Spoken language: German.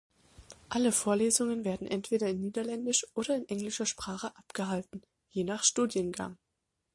Alle Vorlesungen werden entweder in niederländischer oder in englischer Sprache abgehalten, je nach Studiengang.